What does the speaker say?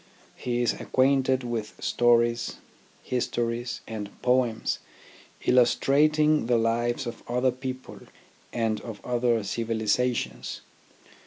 He is acquainted with stories, histories, and poems illustrating the lives of other people and of other civilizations.